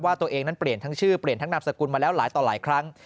ตัวเองนั้นเปลี่ยนทั้งชื่อเปลี่ยนทั้งนามสกุลมาแล้วหลายต่อหลายครั้ง